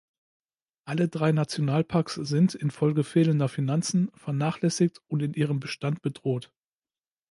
Alle drei Nationalparks sind, infolge fehlender Finanzen, vernachlässigt und in ihrem Bestand bedroht.